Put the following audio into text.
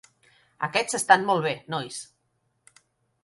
Aquests estan molt bé, nois.